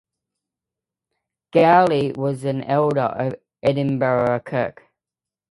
Gourlay was an elder of Edinburgh Kirk.